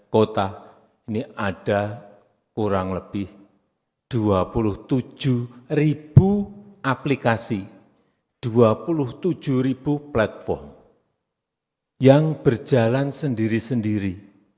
kota ini ada kurang lebih dua puluh tujuh ribu aplikasi dua puluh tujuh ribu platform yang berjalan sendiri sendiri